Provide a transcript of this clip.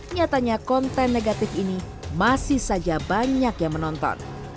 nyatanya konten negatif ini masih saja banyak yang menonton